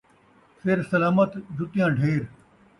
سر سلامت ، جتیاں ڈھیر